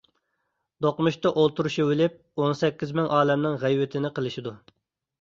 دوقمۇشتا ئولتۇرۇشۇۋېلىپ ئون سەككىز مىڭ ئالەمنىڭ غەيۋىتىنى قىلىشىدۇ.